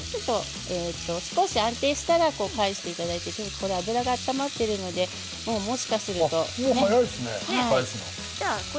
少し安定したら返していただいて油が温まっているので早いですね、返すの。